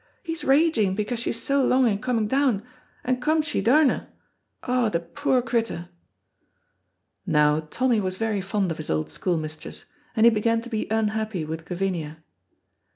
He's raging because she's so long in coming down, and come she daurna. Oh, the poor crittur!" Now, Tommy was very fond of his old school mistress, and he began to be unhappy with Gavinia.